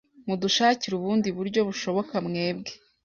mudushakire ubundi buryo bushoboka mwebwe